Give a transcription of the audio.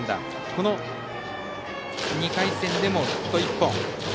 この２回戦でもヒット１本。